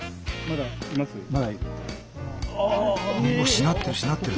しなってるしなってる。